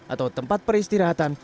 atau tempat peristirahatan